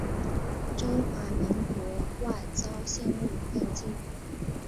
中华民国外交陷入困境。